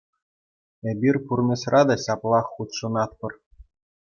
Эпир пурнӑҫра та ҫаплах хутшӑнатпӑр.